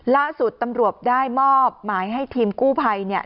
ล่าสุดตำรวจได้มอบหมายให้ทีมกู้ไภ